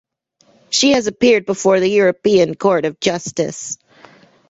She has appeared before the European Court of Justice.